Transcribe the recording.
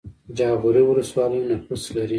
جاغوری ولسوالۍ نفوس لري؟